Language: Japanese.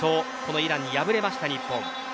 イランに敗れました日本。